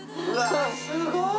すごい！